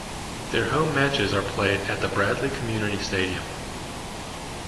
Their home matches are played at the Bradley Community Stadium.